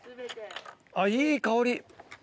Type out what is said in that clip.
あっいい香り。